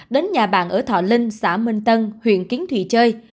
đến nhà bạn ở thọ linh xã minh tân huyện kiến thụy chơi